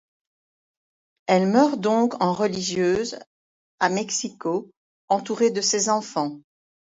Elle meurt donc en religieuse le à Mexico, entourée de ses enfants.